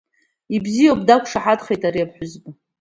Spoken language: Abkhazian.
Ибзиоуп, дақәшаҳаҭхеит ари аԥҳәызба.